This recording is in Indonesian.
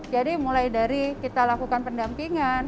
jadi mulai dari kita lakukan pendampingan